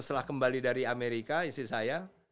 setelah kembali dari amerika istri saya